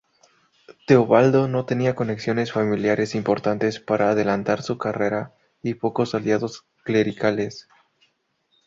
Teobaldo no tenía conexiones familiares importantes para adelantar su carrera, y pocos aliados clericales.